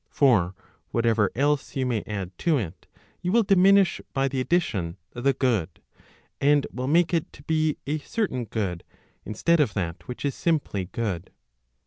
For what¬ ever else you may add to it, you will diminish by the addition the goody and will make it to be a certain good, instead of that which is simply good.